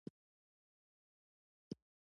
ډيپلومات د هیواد موقف دفاع کوي.